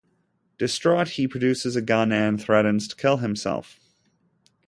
Distraught, he produces a gun and threatens to kill himself.